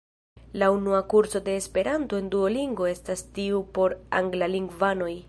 La unua kurso de Esperanto en Duolingo estis tiu por anglalingvanoj.